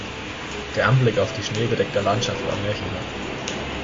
Der Anblick auf die schneebedeckte Landschaft war märchenhaft.